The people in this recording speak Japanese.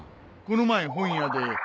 この前本屋で。